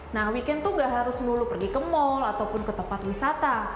nah weekend tuh gak harus melulu pergi ke mall ataupun ke tempat wisata